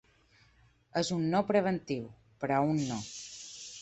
És un no preventiu, però un no.